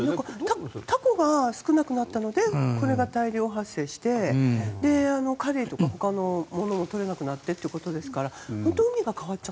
タコが少なくなったのでこれが大量発生してカレイとか他のものがとれなくなってということですからどうなんですかね。